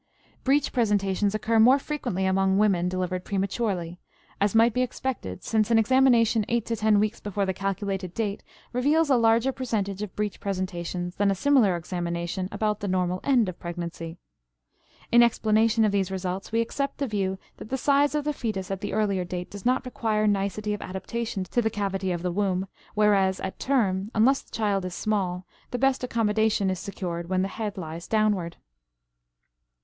Breech presentations occur more frequently among women delivered prematurely, as might be expected since an examination eight to ten weeks before the calculated date reveals a larger percentage of breech presentations than a similar examination about the normal end of pregnancy. In explanation of these results we accept the view that the size of the fetus at the earlier date does not require nicety of adaptation to the cavity of the womb, whereas at term, unless the child is small, the best accommodation is secured when the head lies downward.